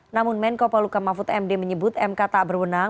namun menko poluka mahfud md menyebut mk tak berwenang